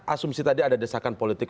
asumsi tadi ada desakan politik